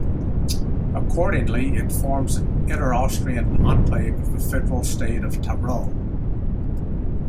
Accordingly, it forms an inner-Austrian exclave of the federal state of Tyrol.